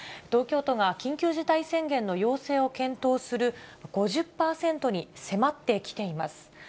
東京都が緊急事態宣言の要請を検討する５０％に迫ってきています。